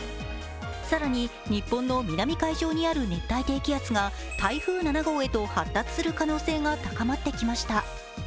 更に、日本の南海上にある熱帯低気圧が台風７号へと発達する可能性が高まってきました。